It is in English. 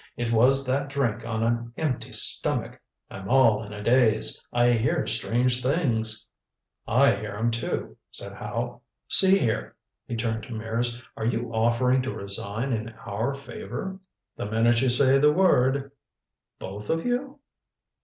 "It was that drink on an empty stomach. I'm all in a daze. I hear strange things." "I hear 'em, too," said Howe. "See here" he turned to Mears "are you offering to resign in our favor?" "The minute you say the word." "Both of you?"